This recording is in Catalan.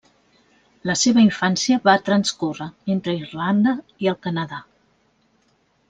La seva infància va transcórrer entre Irlanda i el Canadà.